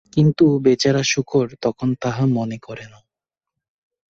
কিন্তু বেচারা শূকর তখন তাহা মনে করে না।